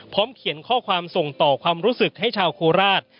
เขียนข้อความส่งต่อความรู้สึกให้ชาวโคราช